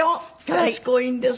賢いんですよ。